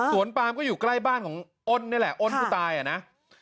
ปามก็อยู่ใกล้บ้านของอ้นนี่แหละอ้นผู้ตายอ่ะนะ